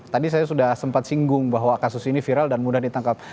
tadi saya sudah sempat singgung bahwa kasus ini viral dan mudah ditangkap